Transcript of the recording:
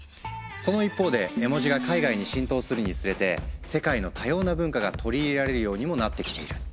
その一方で絵文字が海外に浸透するにつれて世界の多様な文化が取り入れられるようにもなってきている。